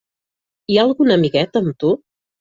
Hi ha algun amiguet amb tu?